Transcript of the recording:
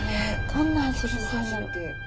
どんな味がするんだろう。